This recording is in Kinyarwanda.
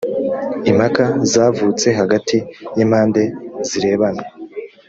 impaka zavutse hagati y impande zirebana